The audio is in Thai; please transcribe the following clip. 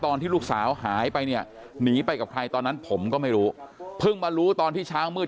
ตอนที่ลูกสาวหายไปเนี่ยหนีไปกับใครตอนนั้นผมก็ไม่รู้เพิ่งมารู้ตอนที่เช้ามืด